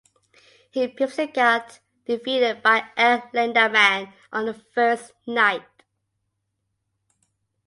He previously got defeated by El Lindaman on the first night.